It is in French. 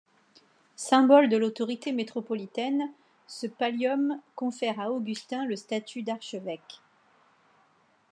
Symbole de l'autorité métropolitaine, ce pallium confère à Augustin le statut d'archevêque.